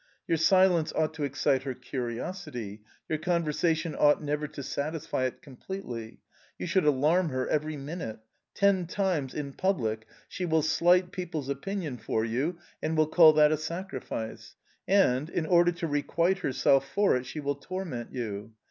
Your silence ought to excite her curiosity, your conversation ought never to satisfy it completely; you should alarm her every minute; ten times, in public, she will slight people's opinion for you and will call that a sacrifice, and, in order to requite herself for it, she will torment you.